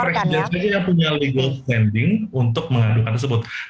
presiden saja yang punya legal standing untuk mengadukan tersebut